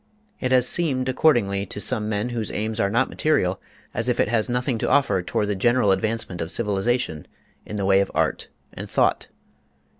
It has seemed accordingly, to some men whose aims are not material, as if it has nothing to offer toward the general advancement of civilization in the way of art and thought.